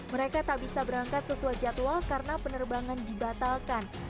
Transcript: mereka tak bisa berangkat sesuai jadwal karena penerbangan dibatalkan